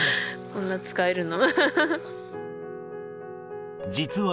こんなに使えるのは。